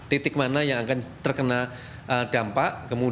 titik mana yang akan terkena dampak